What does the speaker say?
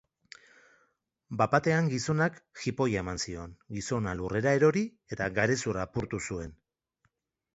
Bat-batean gizonak jipoia eman zion, gizona lurrera erori eta garezurra apurtu zuen.